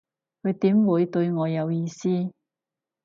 佢點會對我有意思